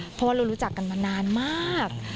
เพราะว่าเรารู้จักกันมานานมาก